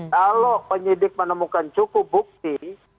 kalau penyidik menemukan cukup bukti